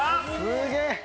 すげえ！